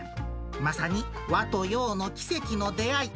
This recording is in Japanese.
まさに和と洋の奇跡の出会い。